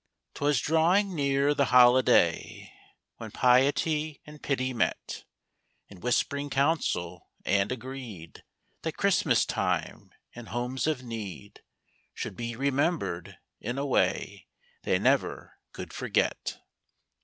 'Twas drawing near the holiday, When piety and pity met In whisp'ring council, and agreed That Christmas time, in homes of need, Should be remembered in a way They never could forget.